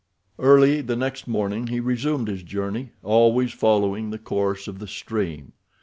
Early the next morning he resumed his journey, always following the course of the stream.